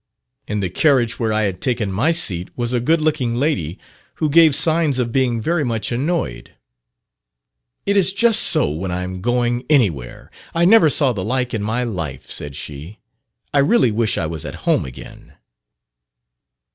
In the carriage where I had taken my seat was a good looking lady who gave signs of being very much annoyed. "It is just so when I am going anywhere: I never saw the like in my life," said she. "I really wish I was at home again."